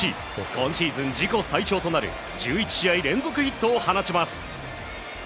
今シーズン自己最長となる１１試合連続ヒットを放ちます。